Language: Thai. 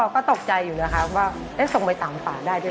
ก็ตกใจอยู่เลยครับว่าเอ๊ะส่งไปสามฝาได้ด้วยเหรอ